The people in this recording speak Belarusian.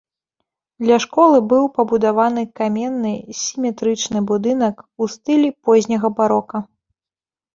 Для школы быў пабудаваны каменны сіметрычны будынак у стылі позняга барока.